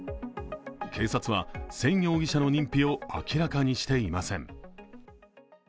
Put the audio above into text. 警察は宣容疑者の認否を明らかにしていません。